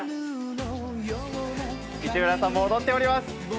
市村さんも踊っております。